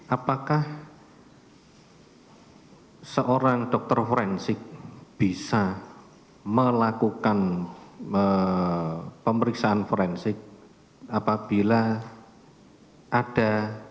apakah seorang dokter forensik bisa melakukan pemeriksaan forensik apabila ada